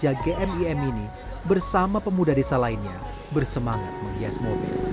raja gmim ini bersama pemuda desa lainnya bersemangat menghias mobil